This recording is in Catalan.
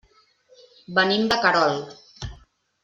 Venim de Querol.